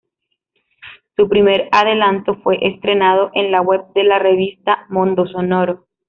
Su primer adelanto fue estrenado en la web de la revista MondoSonoro.